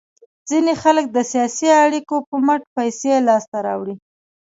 ځینې خلک د سیاسي اړیکو په مټ پیسې لاس ته راوړي.